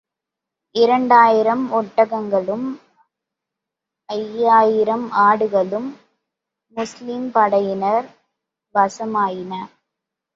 இரண்டாயிரம் ஒட்டகங்களும், ஐயாயிரம் ஆடுகளும் முஸ்லிம் படையினர் வசமாயின.